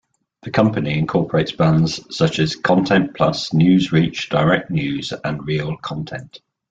The company incorporates brands such as Content Plus, NewsReach, DirectNews and ReelContent.